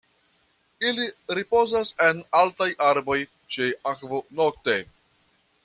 Ili ripozas en altaj arboj ĉe akvo nokte.